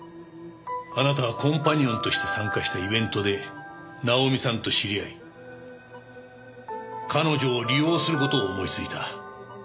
あなたはコンパニオンとして参加したイベントでナオミさんと知り合い彼女を利用する事を思いついた。